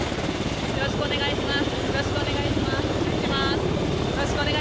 よろしくお願いします。